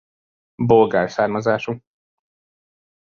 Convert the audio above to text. Bolgár származású.